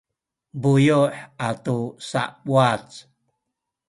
buyu’ atu sauwac